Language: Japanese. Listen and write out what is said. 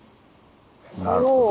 なるほど。